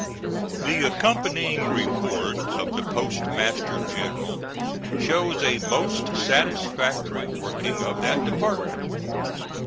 The accompanying report of the Postmaster General shows a most satisfactory working of that Department.